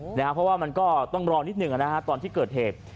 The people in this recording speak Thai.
เพราะว่ามันก็ต้องรอนิดหนึ่งตอนที่เกิดเหตุ